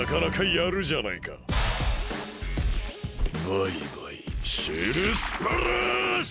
バイバイシェルスプラッシュ！